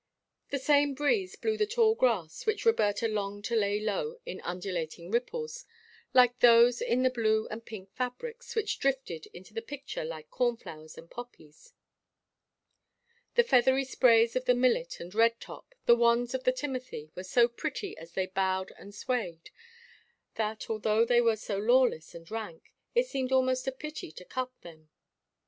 The same breeze blew the tall grass which Roberta longed to lay low in undulating ripples like those in the blue and pink fabrics, which drifted into the picture like cornflowers and poppies. The feathery sprays of the millet and red top, the wands of the timothy were so pretty as they bowed and swayed that, although they were so lawless and rank, it seemed almost a pity to cut them.